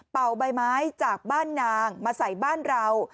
ใบไม้จากบ้านนางมาใส่บ้านเรา